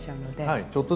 はい。